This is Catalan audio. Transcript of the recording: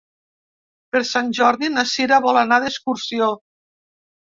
Per Sant Jordi na Sira vol anar d'excursió.